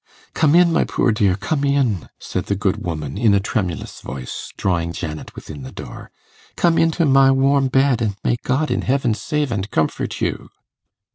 'Come in, my poor dear, come in,' said the good woman in a tremulous voice, drawing Janet within the door. 'Come into my warm bed, and may God in heaven save and comfort you.